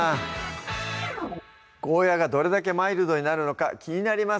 ゴーヤがどれだけマイルドになるのか気になります